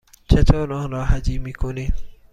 چطور آن را هجی می کنی؟